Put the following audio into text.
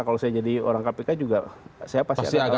kalau saya jadi orang kpk juga saya pasti akan arogan